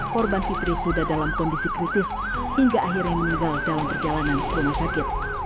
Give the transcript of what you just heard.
korban fitri sudah dalam kondisi kritis hingga akhirnya meninggal dalam perjalanan ke rumah sakit